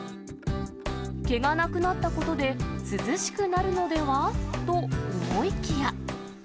毛がなくなったことで、涼しくなるのでは？と思いきや。